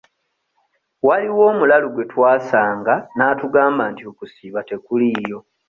Waliwo omulalu gwe twasanga n'atugamba nti okusiiba tekuliiyo.